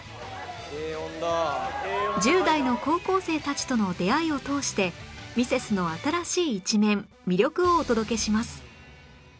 １０代の高校生たちとの出会いを通してミセスの新しい一面魅力をお届けします